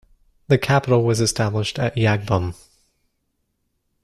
The capital was established at Yagbum.